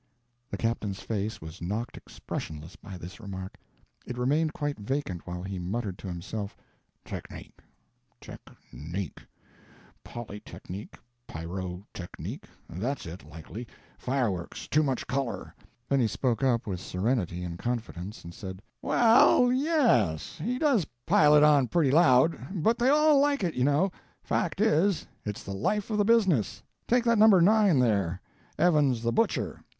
The captain's face was knocked expressionless by this remark. It remained quite vacant while he muttered to himself— "Technique—technique—polytechnique—pyro technique; that's it, likely—fireworks too much color." Then he spoke up with serenity and confidence, and said: "Well, yes, he does pile it on pretty loud; but they all like it, you know—fact is, it's the life of the business. Take that No. 9, there, Evans the butcher.